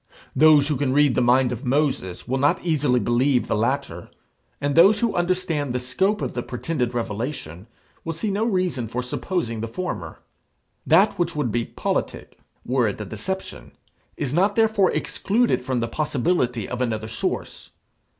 Those who can read the mind of Moses will not easily believe the latter, and those who understand the scope of the pretended revelation, will see no reason for supposing the former. That which would be politic, were it a deception, is not therefore excluded from the possibility of another source.